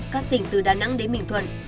các tỉnh từ đà nẵng đến bình thuận